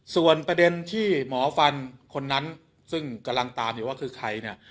ส่วนประเด็นที่หมอฟันคนนั้นซึ่งกำลังตามอยู่ว่าคือใครเนี่ย